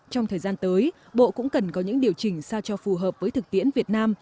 trong thời gian tới bộ cũng cần có những điều chỉnh sao cho phù hợp với thực tiễn việt nam